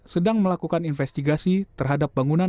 sedang melakukan investigasi terhadap bangunan